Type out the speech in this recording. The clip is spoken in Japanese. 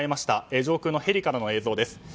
上空のヘリからの映像です。